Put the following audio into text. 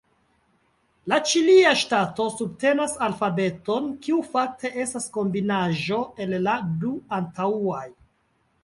La Ĉilia Ŝtato subtenas alfabeton kiu fakte estas kombinaĵo el la du antaŭaj.